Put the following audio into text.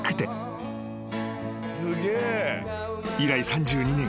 ［以来３２年。